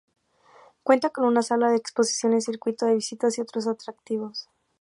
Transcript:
Cuenta con una sala de exposiciones, circuito de visitas y otros atractivos.